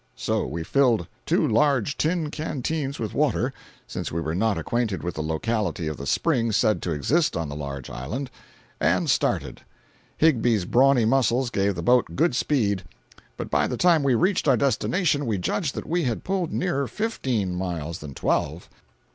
So we filled two large tin canteens with water (since we were not acquainted with the locality of the spring said to exist on the large island), and started. Higbie's brawny muscles gave the boat good speed, but by the time we reached our destination we judged that we had pulled nearer fifteen miles than twelve.